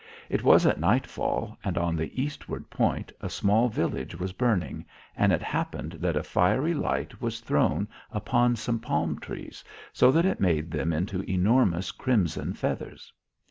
It was at nightfall and on the eastward point a small village was burning, and it happened that a fiery light was thrown upon some palm trees so that it made them into enormous crimson feathers.